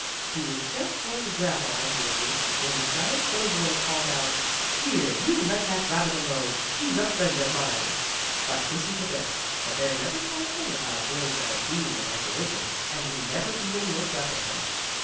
He was just going to grab our Uncle Wiggily, when the giant's little boy called out: "Here, you let that rabbit alone! He's a friend of mine!" But, listen to this, the bear never thought a thing about a boy giant being with Uncle Wiggily, and he never even looked up at him.